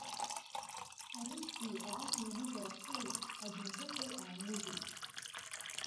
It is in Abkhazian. Арыжәтәи аваза ианыз арасеи, аџьынџьыхәеи аанлыжьит.